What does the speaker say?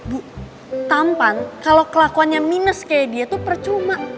bu tampan kalau kelakuannya minus kayak dia tuh percuma